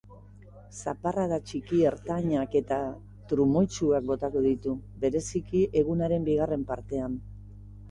Zaparrada txiki-ertainak eta trumoitsuak botako ditu, bereziki egunaren bigarren partean.